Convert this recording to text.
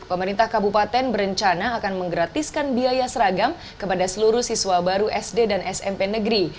pemerintah kabupaten berencana akan menggratiskan biaya seragam kepada seluruh siswa baru sd dan smp negeri